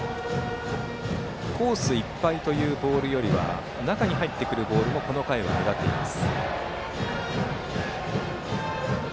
コースいっぱいというボールよりは中に入ってくるボールもこの回は目立っています。